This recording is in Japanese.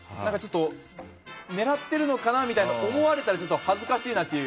狙っているのかなみたいに思われたら恥ずかしいなっていう。